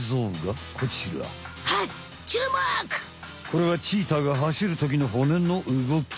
これはチーターが走るときの骨のうごき。